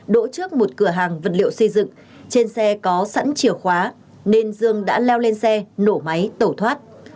đỗ trước một cửa hàng vật liệu xây dựng trên xe có sẵn chìa khóa nên dương đã leo lên xe nổ máy tẩu thoát